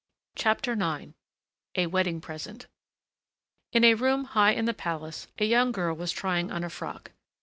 CHAPTER IX A WEDDING PRESENT In a room high in the palace a young girl was trying on a frock.